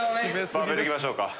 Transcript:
バーベルいきましょうか。